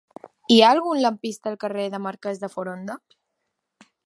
Hi ha algun lampista al carrer del Marquès de Foronda?